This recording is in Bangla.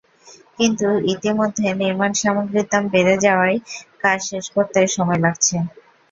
কিন্তু ইতিমধ্যে নির্মাণসামগ্রীর দাম বেড়ে যাওয়ায় কাজ শেষ করতে সময় লাগছে।